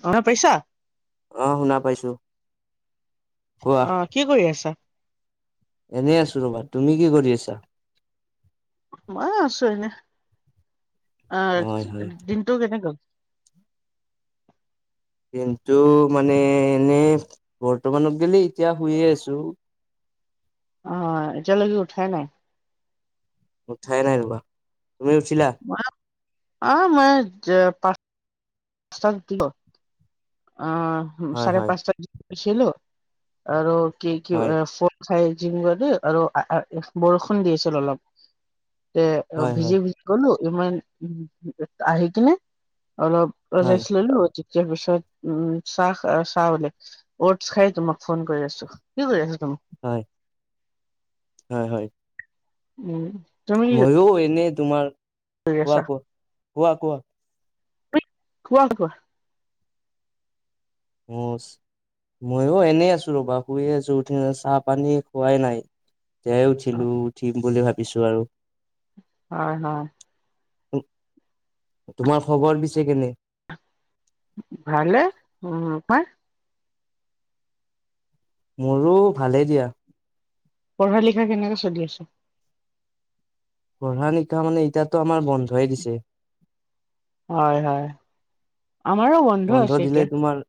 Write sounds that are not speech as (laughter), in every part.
শুনা পাইছা? অ' শুনা পাইছো। কোৱা অ' কি কৰি আছা? এনেই আছো ৰবা, তুমি কি কৰি আছা? মই আছো এনে, আ হয় হয় দিনটো কেনে গল। দিনটো মানে এনে, বৰ্তমানত গলে এতিয়া শুয়ে আছো। অ' এতিয়ালৈ কি উঠাই নাই? উঠাই নাই ৰবা, তুমি উঠিলা? (unintelligible) অ' মই য পাঁচটা পাঁচটা উঠিলো, আহ হয় চাৰে হয় পাঁচটাত শুইছিলো। আৰু কি কি হয় ফন চাই (unintelligible) আৰু বৰষুণ দি আছিল অলপ। তে অ' হয় হয় ভিজি ভিজি গলো, ইমান, উ আহি কিনে অলপ হয় (unintelligible) তাৰ পিছত উম চাহ, চাহ বোলে অটছ খাই তোমাক ফোন কৰি আছো, কি কৰি আছো তুমি? হয়, হয় হয়। উম। তুমি কি মইয়ো এনে তোমাৰ, কৰি আছা কোৱা, কোৱা কোৱা, কোৱা। কোৱা কোৱা। মছ। ময়ো এনেই আছো ৰবা, শুয়ে আছো উঠি চাহ পানী খোৱাই নাই। এই অ উঠিলো, উঠিম বুলি ভাবিছো আৰু। হয়, হয়। তোমাৰ খবৰ পিছে কেনে? ভালে, উ পায়। মোৰো ভালেই দিয়া। পঢ়া লিখা কেনেকে চলি আছে? পঢ়া-লিখা মানে এতিয়াতো আমাৰ বন্ধয়ে দিছে। হয়, হয়। আমাৰো বন বন্ধ দিলে তোমাৰ,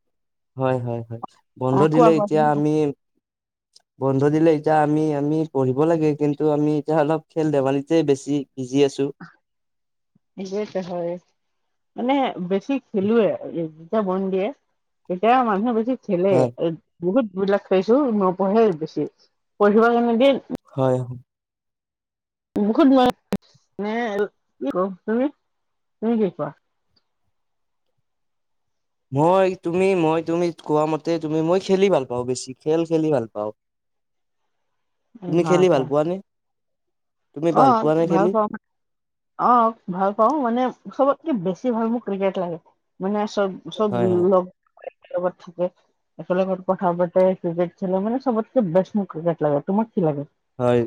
হয়, হয়, হয়। অ বন্ধ কোৱা দিলে কোৱা এতিয়া তুমি আমি বন্ধ দিলে এতিয়া আমি আমি পঢ়িব লাগে, কিন্তু আমি এতিয়া অলপ খেল ধেমালিতে বেছি বিজি আছো। (unintelligible) মানে বেছি খেলোৱেই। উ। তিয়া বন দিয়ে, তেতিয়া মানুহে বেছি খেলে। হয় এই বহুত বিলাক পাইছো নপঢ়েই বেছি। পঢ়িব কাৰণে দিয়ে হয়। বহুত (unintelligible) তুমি, তুমি কি কোৱা? মই তুমি, মই তুমি কোৱা মতে তুমি মই খেলি ভাল পাওঁ বেছি, খেল খেলি ভাল পাওঁ। তুমি হয় খেলি ভাল হয় পোৱানে? অ', ভালপাওঁ। অ', ভাল পাওঁ, মানে চবতকে বেছি ভাল মোৰ ক্ৰিকেট লাগে। মানে চব, চব হয় হয় লগ লগত থাকে। এফালে কথাও পাতে, ক্ৰিকেট খেলে, মানে সবতকে বেষ্ট মোক ক্ৰিকেট লাগে, তোমাক কি লাগে? হয়।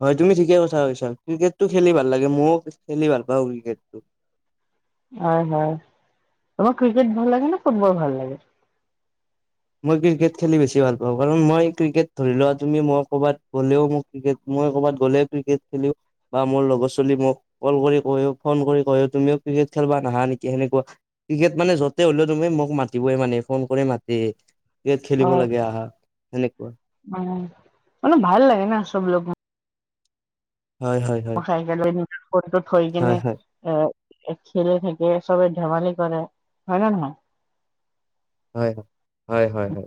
হয় তুমি ঠিকে কথা কৈছা হয়চন। ক্ৰিকেতটো খেলি ভাল লাগে, মও খেলি ভাল পাওঁ ক্ৰিকেটটো। হয়, হয়। তোমাৰ ক্ৰিকেট ভাল লাগে নে ফুটবল ভাল লাগে? মই ক্ৰিকেট খেলি বেছি ভাল পাওঁ, কাৰণ মই ক্ৰিকেট ধৰিলোৱা, তুমি মই ক'ৰবাত গ'লেও মোক ক্ৰিকেট, মই ক'ৰবাত গ'লে ক্ৰিকেট খেলো। বা মোৰ লগৰ ছোলী মোক কল কৰি কয়, ফোন কৰি কয়, তুমিও ক্ৰিকেট খেলবা নাহা নেকি সেনে কয়। ক্ৰিকেট মানে য'তে হ'লেও তুমি মোক মাতিবই মানে, ফোন কৰি মাতেই। কেট খেলিব লাগে আহা, সেনেকুৱা। অ', অলপ ভাল লাগে না চব লোক হয়, হয়। চাই গেলে নি ফনটো থৈ কিনে হয় হয় এ, একচাইদে থাকে, চবে ধেমালি কৰে, হয় নে নহয়? হয়। হয়, হয়, হয়।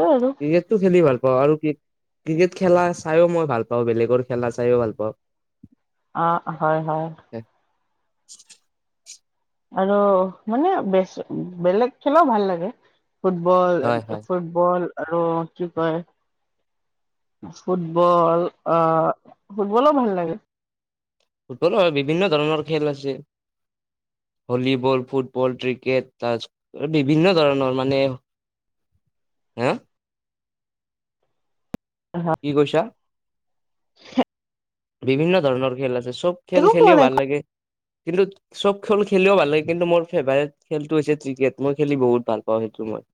এ, আৰু। ক্ৰিকেটটো খেলি ভাল পাওঁ আৰু ক্ৰি-ক্ৰিকেট খেলা চায়ো মই ভাল পাওঁ, বেলেগৰ খেলা চায়ো ভাল পাওঁ। অ', হয়, হয়। আৰু মানে বেচ-বেলেগ খেলও ভাল লাগে। ফুটবল হয় হয় ফুট বল আৰু কি কয়! ফুটবল অ', ফুটবলো ভাল লাগে। ফুটবলো হয়, বিভিন্ন ধৰণৰ খেল আছে। ভলীবল, ফুটবল, ক্ৰিকেট, তাচ বিভিন্ন ধৰণৰ মানে। হা। আহা। কি কৈছা? বিভিন্ন ধৰণৰ খেল আছে চব খেল একো কোৱা খেলিও নাই ভাল লাগে, কিন্তু। চব খল খেলিও ভাল লাগে। কিন্তু মোৰ ফেভাৰেট খেলটো হৈছে ত্ৰিকেট। মই খেলি বহুত ভাল পাওঁ সেইটো মই।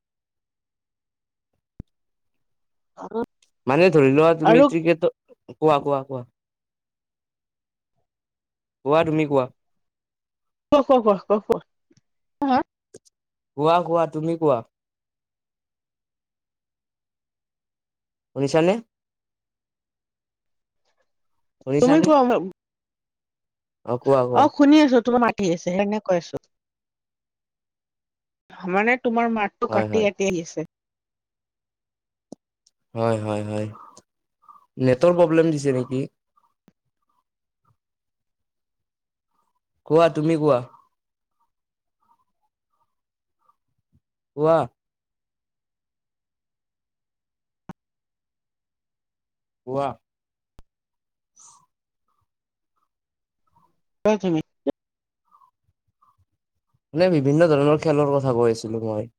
মানে ধৰি লোৱা তুমি আৰু ত্ৰিকেটত কোৱা, কোৱা, কোৱা, কোৱা তুমি কোৱা? ক, ক, ক, ক, ক। কোৱা, কোৱা তুমি কোৱা। শুনিছানে? তুমি শুনিছানে কোৱা, (unintelligible) কোৱা অ' কোৱা শুনি আছো, তোমাক মাতি আছে সেইকাৰণে কৈ আছো। মানে তোমাৰ মাতটো হয় কাটি, হয় কাটি আহিছে। হয়, হয়, হয় নেটৰ প্ৰব্লেম দিছে নেকি। কোৱা তুমি কোৱা। কোৱা। কোৱা। অ' চুমি। মানে বিভিন্ন ধৰণৰ খেলৰ কথা কৈ আছিলো, মই।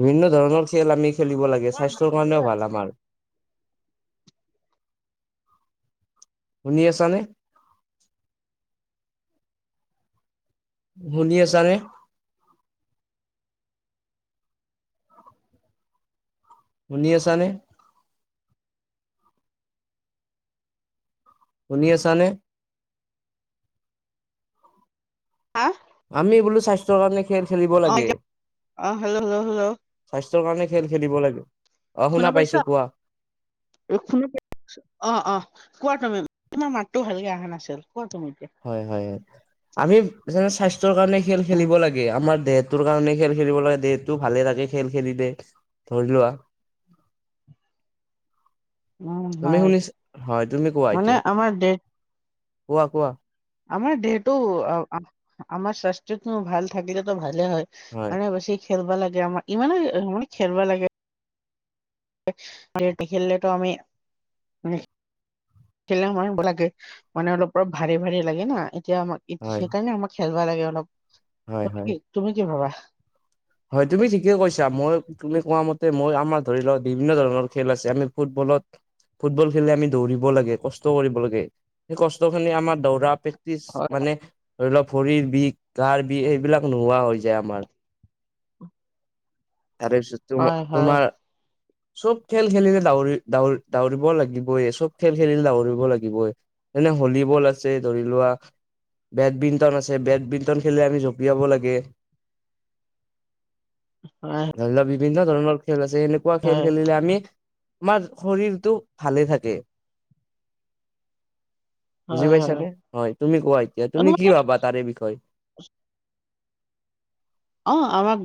বিভিন্ন ধৰণৰ খেল আমি খেলিব লাগে স্বাস্থ্যৰ কাৰণেও ভাল আমাৰ। শুনি আছানে? শুনি আছানে? শুনি আছেনে? শুনি আছানে? হাহ। আমি বোলো স্বাস্থ্যৰ কাৰণে খেল খেলিব লাগে। এতিয়া অ হেল্ল' হেল্ল' হেল্ল' স্বাস্থ্যৰ কাৰণে খেল খেলিব লাগে। অ শুনা পাইছো পাইছা, কোৱা এই শুনা পাইছোঁ। অ', অ' কোৱা তুমি তোমাৰ মাতটো ভালকে অহা নাছিল। কোৱা তুমি এতিয়া। হয়, হয়, হয় আমি যেনে স্বাস্থ্যৰ কাৰণে খেল উম খেলিব লাগে। গে আমাৰ দেহটোৰ কাৰণে খেল খেলিব লাগে, দেহটো ভালে থাকে খেল খেলিলে, ধৰি লোৱা। উম তুমি হয় শুনিচা হয়, তুমি কোৱা মানে এতিয়া। আমাৰ দে কোৱা, কোৱা। আমাৰ দেহটো আ-আ-আমাৰ স্বাস্থ্যটো ভাল থাকিলেটো ভালে হয়। মানে বেছি খেলবা লাগে আমাৰ ইমানো মানে খেলব লাগে। (inaudible) নেখেলিলেটো আমি নে খেলেন হয় ৰিব লাগে, মানে অলপ-অলপ ভাৰি, ভাৰি লাগে না এতিয়া আমাক ইটছ হয় সেইকাৰণে আমাৰ খেলবা লাগে অলপ, হয় তুমি হয় কি, তুমি কি ভাবা। হয় তুমি ঠিকে কৈছা। মই তুমি কোৱা মতে মই আমাৰ ধৰি লওক বিভিন্ন ধৰণৰ খেল আছে আমি ফুটবলত ফুটবল খেলিলে আমি দৌৰিব লাগে, কষ্ট কৰিব লাগে, সেই কষ্টখিনি আমাৰ দৌৰাপেক্ষ (unintelligible) হয় মানে ধৰি লওক ভৰিৰ বিষ গাৰ বিষ এইবিলাক নোহোৱা হৈ যায় আমাৰ তাৰে পিছত তোম হয় হয় তোমাৰ চব খেল খেলিলে দৰিৰি দাৰিব লাগিবই চব খেল খেলিলে দউৰিব লাগিবই যেনে হলীবল আছে ধৰি লোৱা বেডমিণ্টন আছে বেডমিণ্টন খেললে আমি জপিয়াব লাগে হয় ধৰি লও বিভিন্ন ধৰণৰ খেল আছে এেনেকুৱা খেল হয় খেলিলে আমি আমাৰ শৰীৰটো ভালে থাকে বুজি হয় হয় পাইছানে হয় তুমি কোৱা এতিয়া আৰু তুমি কি মানে ভাবা তাৰে বিষয়ে অ আমাক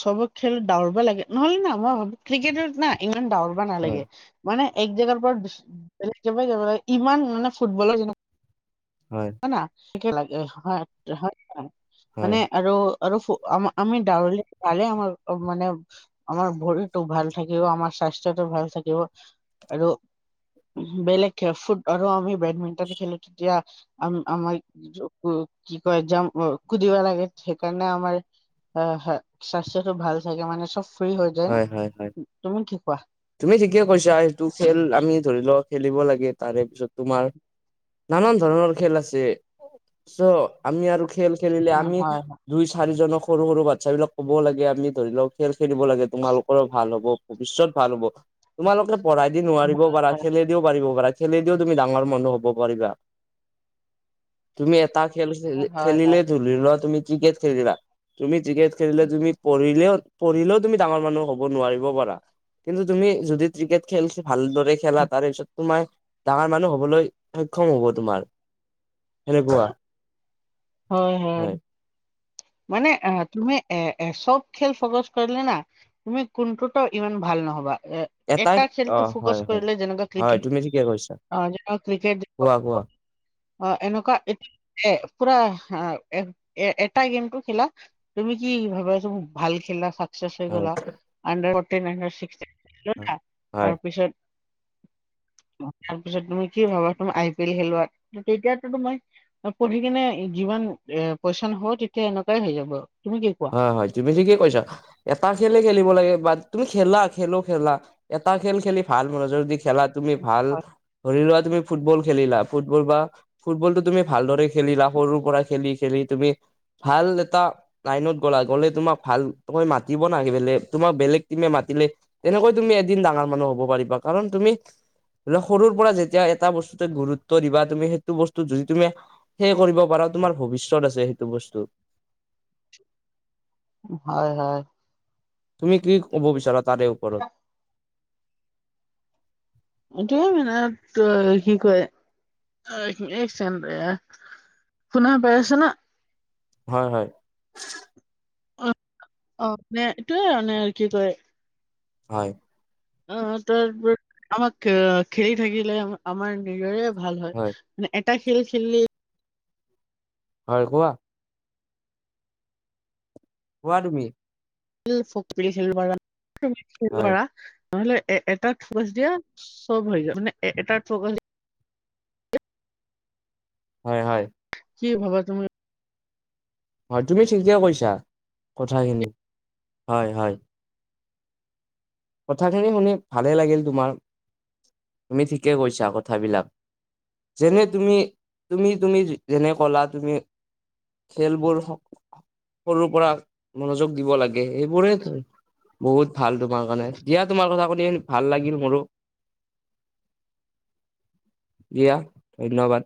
চব খেল দাৱৰব লাগে নহলে না মই ভাবো ক্ৰিকেট না ইমান দৰ হয় মানে এক জেগাৰ পৰালেগ ল ই মানে ফুটবলৰ হয় লাগে হয় হয় হয় মানে আৰু আৰু ফু আমি দাৰিলে আমাৰ ভালে মানে আমাৰ ভৰিটো ভাল থাকিব আমাৰ স্বাস্থ্যটো ভাল থাকিব আৰু বেলেগ ফুড আৰু আমি বেডমিন্টন খেলো তেতিয়া। ম, আমাৰ কি কৰে যাম, কুদিব লাগে সেইকাৰণে আমাৰ হয়, হয়, হয় স্বাস্থ্যটো ভাল থাকে মানে চব ফ্ৰ্ৰী হৈ যায় হয় হয় হয় ন তুমি কি কোৱা। তুমি ঠিকে কৈছা সেইটো খেল আমি ধৰি লও খেলিব লাগে তাৰে পিছত তোমাৰ। নানান ধৰণৰ খেল আছে চ আমি আৰু খেল। খেলিলে অ, আমি হয় হয় দুই চাৰিজনক সৰু সৰু বাচ্ছা বিলাক ক'ব লাগে আমি ধৰি লওক খেল খেলিব লাগে। তোমালোকৰো ভাল হ'ব ভৱিষ্যত ভাল হ'ব তোমালোকে পঢ়াই দি নোৱাৰিব পাৰা, খেলি পাৰিব পাৰা খেলেদিও তুমি ডাঙৰ মানুহ হ'ব পাৰিবা। তুমি এটা খেল খ, হয় হয় খেলিলে ধৰিল লোৱা তুমি। ক্ৰিকেট খেলিলা, তুমি ক্ৰিকেট খেলিলে তুমি পঢ়িলে-পঢ়িলেও তুমি ডাঙৰ মানুহ হ'ব নোৱাৰিব, পাৰা কিন্তু তুমি যদি ক্ৰিকেট খেলছ ভালদৰে খেলা তাৰ পিছত তোমাৰ ডাঙৰ মানুহ হব'লৈ সক্ষম হ'ব তোমাৰ সেনেকুৱা। হয়, হয়। মানে অ, তুমি এ চব খেল ফকচ কৰিলে না। তুমি কোনটোতও ইমান ভাল নহ'বা এ এটাই এটা অ খেলটো ফকচ হয় হয় কৰিলে যেনেকুৱা হয় ক্ৰিকেট তুমি ঠিকে কৈছা অ, যেক ক্ৰিকেট কোৱা কোৱা অ, এনেকুৱা (unintelligible) পুৰা এ, এ এটা গেম টো খেলা তুমি কি ভাব চ, ভাল খেলা হয় হয় হয়। (unintelligible) তাৰ পিছত তুমি কি ভাবা তুমি আই, পি, এল, খেলোৱাত তেতিয়াতো তোতোমই পঢ়ি কেনে যিমান এ, পইচন হ তেতিয়া এনেকুৱাই হৈ যাব তুমি কি কোৱা? হয় হয়, তুমি ঠিকে কি কৈছা। এটা খেলে খেলিব লাগে বা তুমি খেলা, খেলো খেলা এটা খেল খেলি ভাল মনুযোগ খেলা তুমি ভাল ধৰিলোৱা তুমি। ফুটবল খেলিলা, ফুটবল বা ফুটবলটো তুমি ভালদৰে খেলিলা সৰুৰ পৰা খেলি খেলি তুমি ভাল এটা লাইনত গ'লা গ'লে তোম ভাল তই মাতিব নাগে বেলে তোমাক বেলেগ টিমে মাতিলে তেনেকৈ তুমি এদিন ডাঙৰ মানুহ হ'ব পাৰিবা কাৰণ তুমি ধ, সৰুৰ পৰা যেতিয়া এটা বস্তুতে গুৰুত্ব দিবা তুমি সেইটো বস্তু যদি তুমি সেইয় কৰিব পাৰা তোমাৰ ভৱিষ্যয়ত আছে সেইটো বস্ত। হয় হয়। তুমি কি ক'ব বিচাৰা তাৰে ওপৰত। (unintelligible) শুনা পাই আছে না। হয় হয়। অ, অ, নে এইয়ে মানে আৰু কি কয় হয়। অ, তাৰপ আমাক খেলি থাকিলে আমাৰ নিজৰে ভাল হয়। মানে এটা খেল খেলিই হয় কোৱা। কোৱা তুমি। (inaudible) হয় নহ'লে এ এটাত ফকাচ দিয়া, চব হৈ যায় মানে এটাত ফকাচ হয় হয়। কি ভবা তুমি? হয়, তুমি ঠিকেই কৈছা কথাখিনি হয় হয়। কথাখিনি শুনি ভালে লাগিল তোমাৰ, তুমি ঠিকে কৈছা কথাবিলাক। যেনে তুমি-তুমি-তুমি যেনে ক'লা তুমি খেলবোৰ স সৰুৰ পৰা মনোযোগ দিব লাগে, সেইবোৰে বহুত ভাল তোমাৰ কাৰণে। দিয়া তোমাৰ কথা কলে ভাল লাগিল, মোৰো। দিয়া ধন্যবাদ।